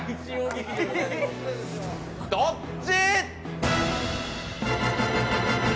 どっち！